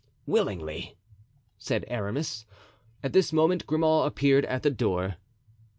"Willingly," said Aramis. At this moment Grimaud appeared at the door.